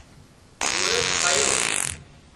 هورز ٺاهيو